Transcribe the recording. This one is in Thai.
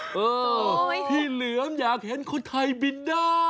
เออพี่เหลือมอยากเห็นคนไทยบินด้า